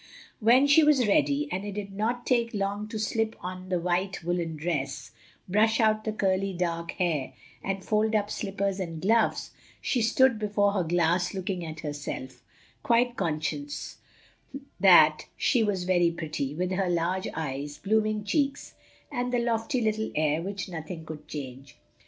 When she was ready, and it did not take long to slip on the white woollen dress, brush out the curly dark hair, and fold up slippers and gloves, she stood before her glass looking at herself, quite conscious that she was very pretty, with her large eyes, blooming cheeks, and the lofty little air which nothing could change.